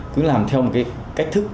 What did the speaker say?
cứ làm theo một cái cách thức